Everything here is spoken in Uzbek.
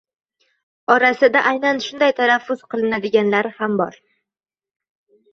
Orasida aynan shunday talaffuz qilinadiganlari ham bor.